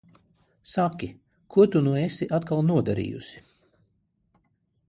Saki, ko tu nu esi atkal nodarījusi?